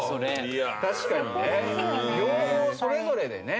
確かにね両方それぞれでねやっぱね。